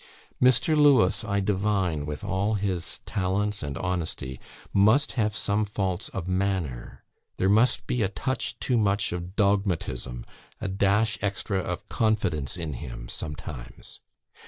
"Mr. Lewes, I divine, with all his talents and honesty, must have some faults of manner; there must be a touch too much of dogmatism; a dash extra of confidence in him, sometimes.